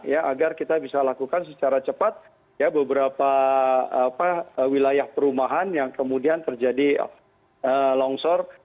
ya agar kita bisa lakukan secara cepat ya beberapa wilayah perumahan yang kemudian terjadi longsor